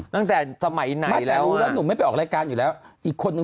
ตั้งแต่สมัยไหนไม่แต่รู้แล้วหนุ่มไม่ไปออกรายการอยู่แล้วอีกคนนึง